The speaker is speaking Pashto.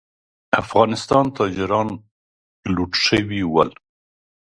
افغانستان تاجران لوټ شوي ول.